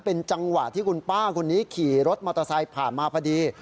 เป็นจังหวะที่คุณป้าคนนี้ขี่รถมอเตอร์ไซค์ผ่านมาพอดี